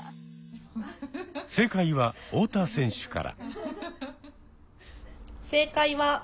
正解は太田選手から。